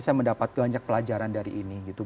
saya mendapat banyak pelajaran dari ini gitu